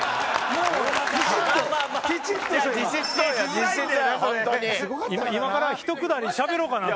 今からひとくだりしゃべろうかなと思ってたぐらい。